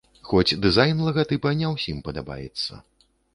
Хоць дызайн лагатыпа не ўсім падабаецца.